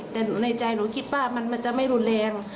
แต่ในใจหนูคิดว่ามันจะไม่รุนแรง